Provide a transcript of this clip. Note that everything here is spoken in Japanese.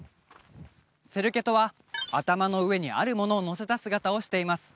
セルケトは頭の上にあるものをのせた姿をしています